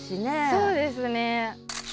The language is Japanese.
そうですね。